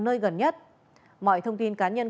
nơi gần nhất mọi thông tin cá nhân